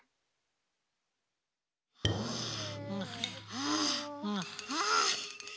はあはあ。